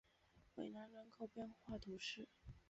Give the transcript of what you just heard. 韦南人口变化图示